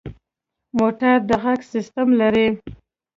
موټر د غږ سیسټم لري.